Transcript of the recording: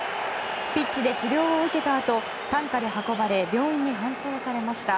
ピッチで治療を受けたあと担架で運ばれ病院に搬送されました。